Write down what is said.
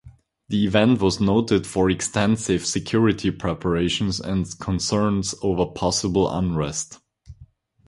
The event was noted for extensive security preparations and concerns over possible unrest.